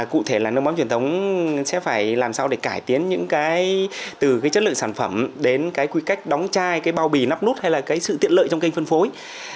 cụ thể là nước mắm truyền thống sẽ phải làm sao để cải tiến những cái từ cái chất lượng sản phẩm đến cái quy cách đóng chai cái bao bì nắp nút hay là cái sự tiện lợi trong kênh phân phối